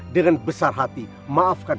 dengan besar hati maafkan